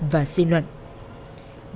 và xử lý các vụ trọng án